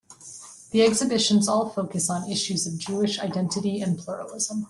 The exhibitions all focus on issues of Jewish identity and pluralism.